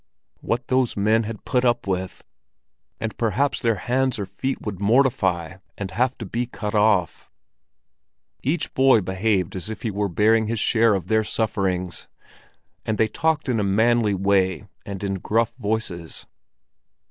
What those men had put up with! And perhaps their hands or feet would mortify and have to be cut off. Each boy behaved as if he were bearing his share of their sufferings, and they talked in a manly way and in gruff voices.